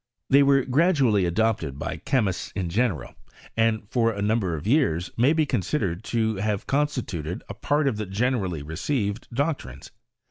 They were gra dually adopted by chemists in general, and for a. number of years may be considered to have con stituted a part of ther generally received doctrines.